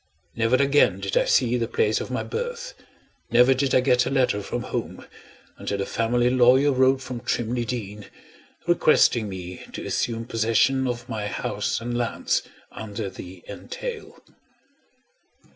Never again did I see the place of my birth, never did I get a letter from home, until the family lawyer wrote from Trimley Deen, requesting me to assume possession of my house and lands, under the entail.